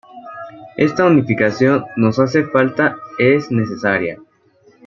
Esta unificación nos hace falta, es necesaria.